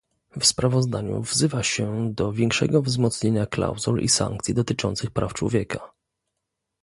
W sprawozdaniu wzywa się do większego wzmocnienia klauzul i sankcji dotyczących praw człowieka